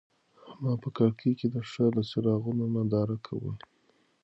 ما په کړکۍ کې د ښار د څراغونو ننداره کوله.